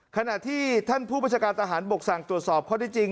ขณะที่ท่านผู้บัญชาการทหารบกสั่งตรวจสอบข้อที่จริง